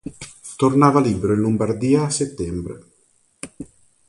Tornava libero in Lombardia a settembre.